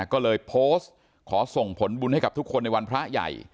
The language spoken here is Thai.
ก็เลยโพสต์ขอส่งผลบุญให้กับทุกคนในวันพระใหญ่